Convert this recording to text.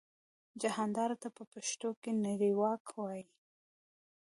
جهاندار ته په پښتو کې نړیواک وايي.